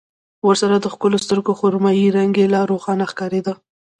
ورسره د ښکلو سترګو خرمايي رنګ يې لا روښانه ښکارېده.